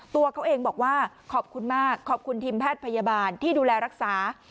ตัวเขาเองบอกว่าขอบคุณมากขอบคุณทีมแพทย์พยาบาลที่ดูแลรักษา